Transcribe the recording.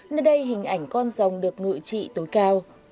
nơi đây hình ảnh con rồng được ngự trị tối cao